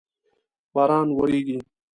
باران وریږی